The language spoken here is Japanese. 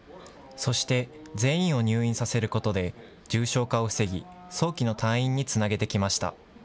そして、全員を入院させることで重症化を防ぎ、早期の退院につなげてきました。